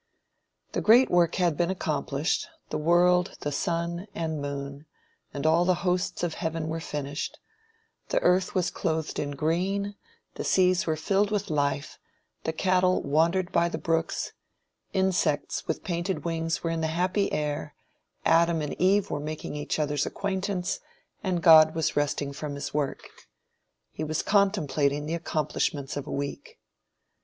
The great work had been accomplished, the world, the sun, and moon, and all the hosts of heaven were finished; the earth was clothed in green, the seas were filled with life, the cattle wandered by the brooks insects with painted wings were in the happy air, Adam and Eve were making each other's acquaintance, and God was resting from his work. He was contemplating the accomplishments of a week.